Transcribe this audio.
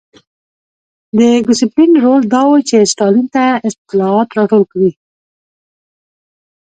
د ګوسپلین رول دا و چې ستالین ته اطلاعات راټول کړي